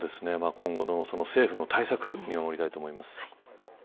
今後の政府の対策見守りたいと思います。